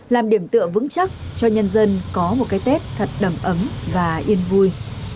làm điểm tựa vững chắc cho nhân dân có một cái tết thật đầm ấm và yên vui